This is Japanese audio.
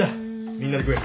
みんなで食え。